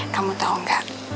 kamu tahu gak